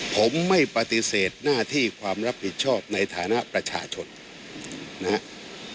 ผมไม่ปฏิเสธหน้าที่ความรับผิดชอบในฐานะประชาชนนะครับ